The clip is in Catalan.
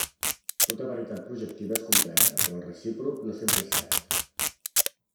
Tota varietat projectiva és completa, però el recíproc no sempre és cert.